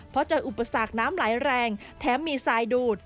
เพราะเจออุปสรรคน้ำไหลแรงแถมมีทรายดูด